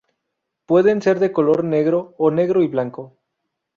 Pueden ser de color negro o negro y blanco.